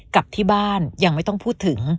กับที่บ้านยังไม่ต้องพูดถึง